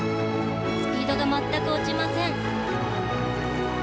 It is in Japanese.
スピードが全く落ちません。